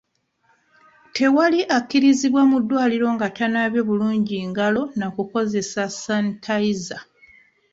Tewali akkirizibwa mu ddwaliro nga tanaabye bulungi ngalo na kukozesa sanitayiza.